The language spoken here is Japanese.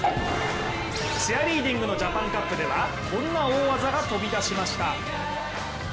チアリーディングのジャパンカップではこんな大技が飛び出しました。